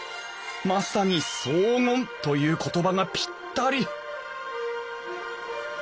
まさに荘厳という言葉がピッタリ！